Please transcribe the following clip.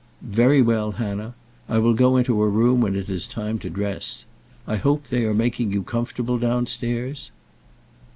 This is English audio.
"Very well, Hannah. I will go into her room when it is time to dress. I hope they are making you comfortable downstairs?"